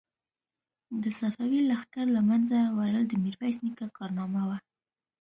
د صفوي لښکر له منځه وړل د میرویس نیکه کارنامه وه.